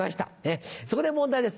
そこで問題です